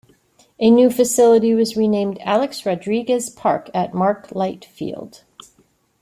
The new facility was renamed "Alex Rodriguez Park at Mark Light Field".